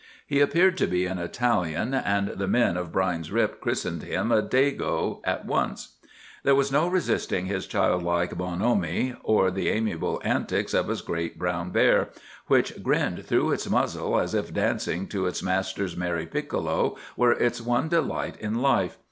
He appeared to be an Italian, and the men of Brine's Rip christened him a "Dago" at once. There was no resisting his childlike bonhomie, or the amiable antics of his great brown bear, which grinned through its muzzle as if dancing to its master's merry piccolo were its one delight in life.